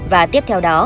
và tiếp theo đó